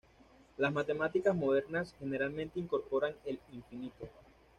Las matemáticas modernas generalmente incorporan el infinito.